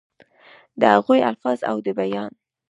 دَ هغوي الفاظ او دَ بيان